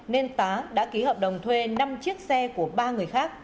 nên tá đã ký hợp đồng thuê năm triệu đồng